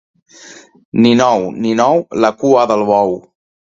Ninou, ninou, la cua del bou.